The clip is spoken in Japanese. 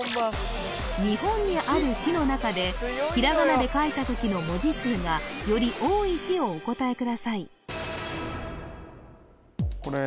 日本にある市の中でひらがなで書いた時の文字数がより多い市をお答えください